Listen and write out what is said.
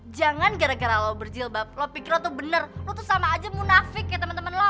jangan gara gara lo berjilbab lo pikir lo tuh bener lo tuh sama aja munafik kayak temen temen lo